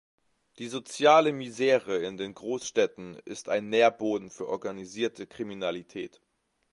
Die soziale Misere in den Großstädten ist ein Nährboden für organisierte Kriminalität.